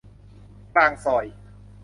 กลางซอย